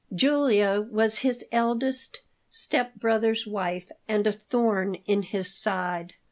Julia was his eldest step brother's wife, and a thorn in his side.